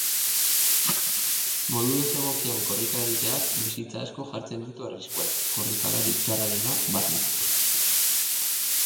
Modu desegokian korrika egiteak bizitza asko jartzen ditu arriskuan, korrikalari txarrarena barne.